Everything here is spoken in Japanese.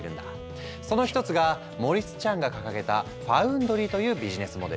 その一つがモリス・チャンが掲げた「ファウンドリ」というビジネスモデル。